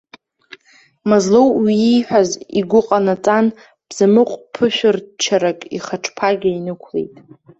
Мазлоу уи ииҳәаз игәы ҟанаҵан, бзамыҟә ԥышәрччарак ихаҿ ԥагьа инықәлеит.